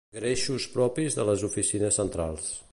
Greixos propis de les oficines centrals.